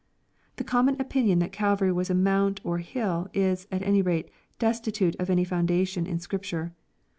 The common opinion thai Calvary was a mount or hiU is, at any rate, destitute of any fo :adation in Scripture.